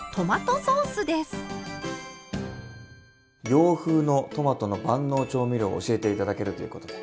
洋風のトマトの万能調味料を教えて頂けるということで。